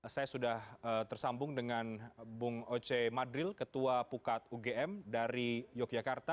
saya sudah tersambung dengan bung oce madril ketua pukat ugm dari yogyakarta